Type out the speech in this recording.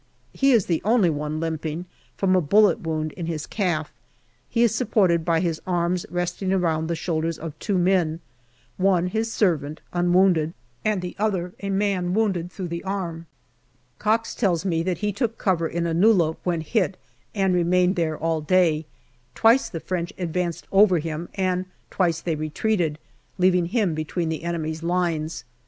He is the only one limping, from a bullet wound in his calf ; he is supported by his arms resting round the shoulders of two men one his servant, unwounded, and the other a man wounded through the arm. Cox tells me he took cover in a nullah when hit, and remained there all day. Twice the French advanced over him, and twice they retreated, leaving him between 54 GALLIPOLI DIARY the enemy's lines.